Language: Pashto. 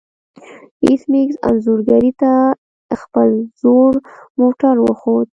ایس میکس انځورګرې ته خپل زوړ موټر وښود